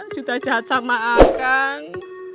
cukur jahat sama a kang